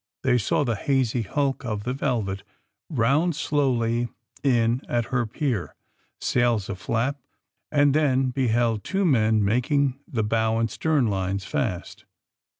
They saw the hazy hulk of the ^^ Velvet" round slowly in at her pier, sails aflap, and then beheld two men making the bow and stern lines fast.